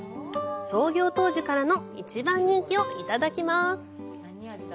創業当時からの一番人気をいただきます！